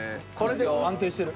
安定してる。